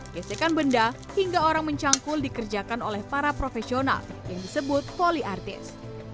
gesekan benda hingga orang mencangkul dikerjakan oleh para profesional yang disebut poliartis